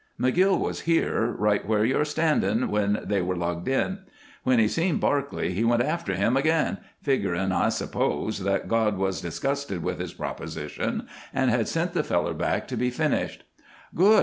McGill was here, right where you're standing, when they were lugged in. When he seen Barclay he went after him again, figgerin', I suppose, that God was disgusted with his proposition and had sent the feller back to be finished." "Good!"